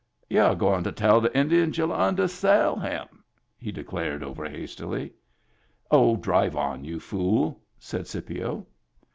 " You're going to tell the Indians youll under sell him !" he declared, over hastily. " Oh, drive on, y'u fool," said Scipio.